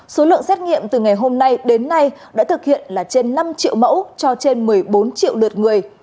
số lượng xét nghiệm từ ngày hôm nay đến nay đã thực hiện là trên năm triệu mẫu cho trên một mươi bốn triệu lượt người